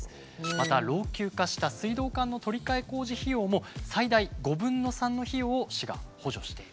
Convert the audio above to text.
また老朽化した水道管の取り換え工事費用も最大５分の３の費用を市が補助していると。